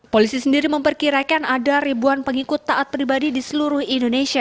polisi sendiri memperkirakan ada ribuan pengikut taat pribadi di seluruh indonesia